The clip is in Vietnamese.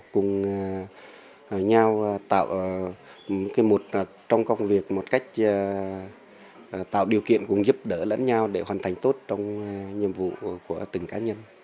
cùng nhau tạo một trong công việc một cách tạo điều kiện cùng giúp đỡ lẫn nhau để hoàn thành tốt trong nhiệm vụ của từng cá nhân